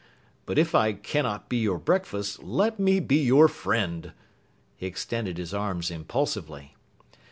But if I cannot be your breakfast, let me be your friend!" He extended his arms impulsively.